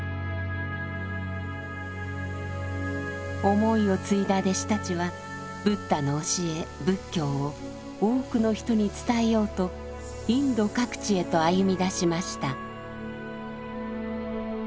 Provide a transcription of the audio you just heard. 思いを継いだ弟子たちはブッダの教え仏教を多くの人に伝えようとインド各地へと歩み出しました。